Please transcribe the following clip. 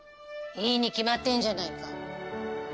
いいに決まってるじゃないか。